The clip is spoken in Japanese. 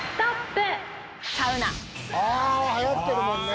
あはやってるもんね。